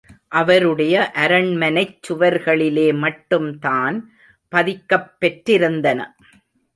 அவருடைய அரண்மனைச் சுவர்களிலே மட்டும்தான் பதிக்கப் பெற்றிருந்தன.